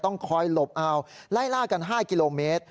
ต้องคอยหลบเอาไล่ล่ากัน๕กิโลเมตร